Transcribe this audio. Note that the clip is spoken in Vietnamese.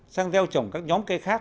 sang gieo trồng các nhóm cây khác